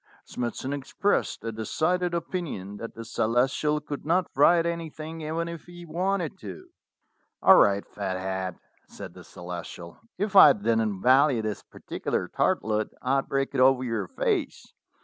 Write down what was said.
Smithson expressed a decided opinion that the Celestial could not write anything even if he wanted to. "All right, Fathead," said the Celestial : "if I didn't value this particular tartlet I'd break it over your face.